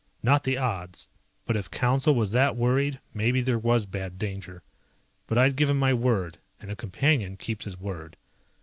Not the odds, but if Council was that worried maybe there was bad danger. But I'd given my word and a Companion keeps his word.